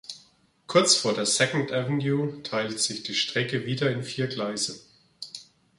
Kurz vor der Second Avenue teilt sich die Strecke wieder in vier Gleise.